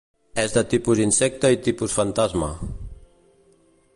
És de tipus insecte i tipus fantasma.